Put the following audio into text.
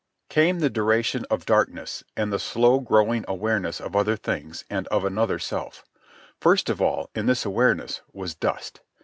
Came the duration of darkness, and the slow growing awareness of other things and of another self. First of all, in this awareness, was dust.